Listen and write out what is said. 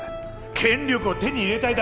権力を手に入れたいだけだろ！